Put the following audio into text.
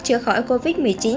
chữa khỏi covid một mươi chín